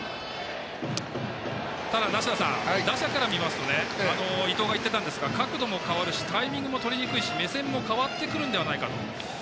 ただ、梨田さん打者から見ますと伊藤が言ってたんですが角度も変わるしタイミングもとりづらいし目線も変わってくるのではないかと。